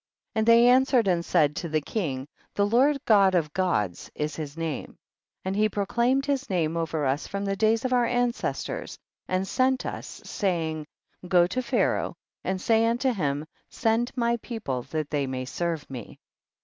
47. And they answered and said to the king, the Lord God of Gods is his name, and he proclaimed his name over us from the days of our ancestors, and sent us, saying, go to Pharaoh and say unto him, send my people that they may serve me.